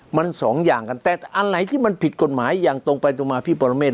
มันสองอย่างกันแต่อะไรที่มันผิดกฎหมายอย่างตรงไปตรงมาพี่ปรเมฆ